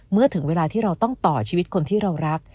เมื่อถึงเวลาที่เราต้องต่อชีวิตคนที่เรารัก